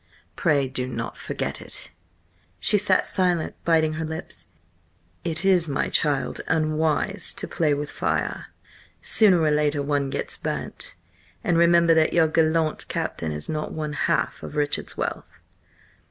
Pray do not forget it." She sat silent, biting her lips. "It is, my child, unwise to play with fire. Sooner or later one gets burnt. And remember that your gallant captain has not one half of Richard's wealth."